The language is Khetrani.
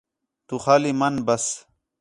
تُو خالی منی بس